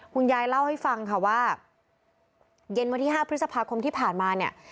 คุณยายเล่าให้ฟังค่ะว่าเย็นวันที่๕พฤษภาคมที่ผ่านมาเนี่ย